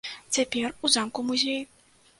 Цяпер у замку музей.